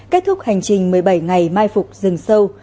kết thúc hành trình một mươi bảy ngày mai phục rừng sâu